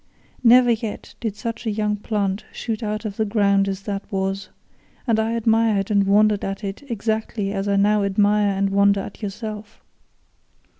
Never yet did such a young plant shoot out of the ground as that was, and I admired and wondered at it exactly as I now admire and wonder at yourself.